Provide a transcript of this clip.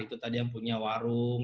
itu tadi yang punya warung